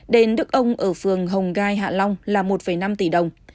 đền đức ông ở phường hồng gai hạ long là một năm tỷ đồng